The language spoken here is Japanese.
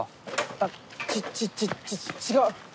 あっちちち違う。